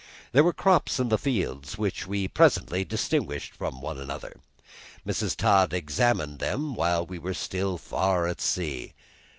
There were crops in the fields, which we presently distinguished from one another. Mrs. Todd examined them while we were still far at sea.